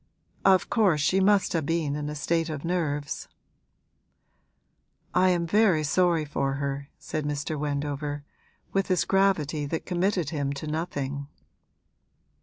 'Of course she must have been in a state of nerves.' 'I am very sorry for her,' said Mr. Wendover, with his gravity that committed him to nothing.